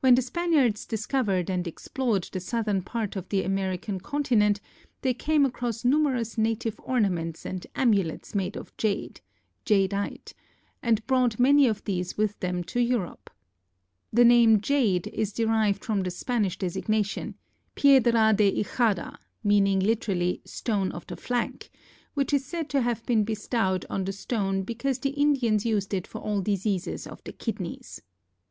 When the Spaniards discovered and explored the southern part of the American continent, they came across numerous native ornaments and amulets made of jade (jadeite) and brought many of these with them to Europe. The name jade is derived from the Spanish designation, piedra de hijada, meaning literally "stone of the flank," which is said to have been bestowed on the stone because the Indians used it for all diseases of the kidneys.